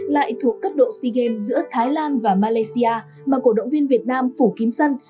lại thuộc cấp độ sea games giữa thái lan và malaysia mà cổ động viên việt nam phủ kín sân